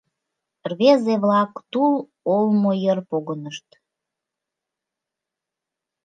Рвезе-влак тул олмо йыр погынышт.